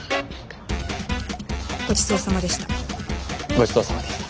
ごちそうさまでした。